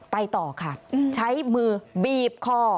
ไปต่อค่ะใช้มือบีบคอ